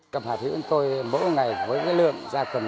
cầm hạ thủy của tôi mỗi ngày với lượng gia cầm